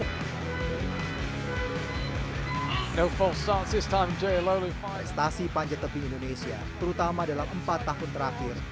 prestasi panjat tebing indonesia terutama dalam empat tahun terakhir